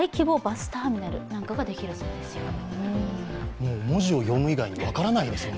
もう文字を読む以外に分からないですよね。